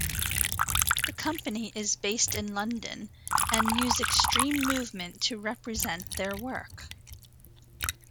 The company is based in London and use extreme movement to represent their work.